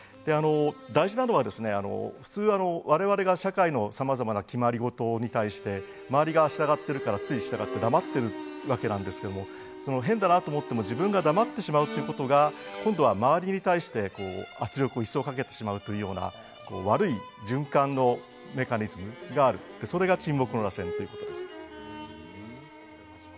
大事なのは、普通、我々が社会のさまざまな決まり事に対して周りが従っているからつい従って黙っているわけなんですけども変だなと思っても自分が黙ってしまうことが今度は周りに対して圧力をいっそうかけてしまうというような悪い循環のメカニズムがあるそれが沈黙の螺旋ということです。